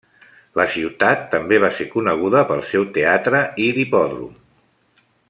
La ciutat també va ser coneguda pel seu teatre i l'hipòdrom.